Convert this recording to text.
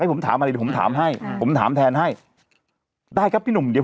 ให้ผมถามอะไรผมถามให้อ่าผมถามแทนให้ได้ครับพี่หนุ่มเดี๋ยว